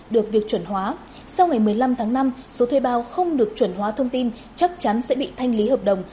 được việc chuẩn hóa sau ngày một mươi năm tháng năm số thuê bao không được chuẩn hóa thông tin chắc chắn sẽ bị thanh lý hợp đồng